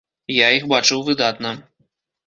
Я іх бачыў выдатна.